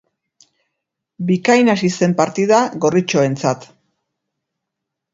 Bikain hasi zen partida gorritxoentzat.